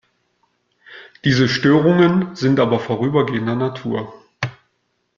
Diese Störungen sind aber vorübergehender Natur.